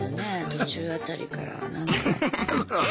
途中辺りからなんか。